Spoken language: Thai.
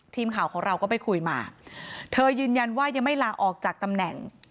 ทีมข่าวของเราก็ไปคุยมาเธอยืนยันว่ายังไม่ลาออกจากตำแหน่ง